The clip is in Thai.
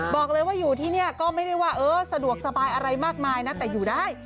บอกเลยว่าอยู่ที่นี่ก็ไม่ได้ว่าเออสะดวกสบายอะไรมากมายนะแต่อยู่ได้